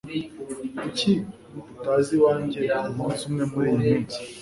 Kuki utaza iwanjye umunsi umwe muriyi minsi?